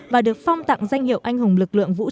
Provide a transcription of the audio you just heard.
và được phong tặng danh hiệu anh hùng lực lượng vũ trang